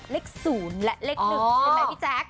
เลข๐และเลข๑เห็นไหมพี่แจ๊ค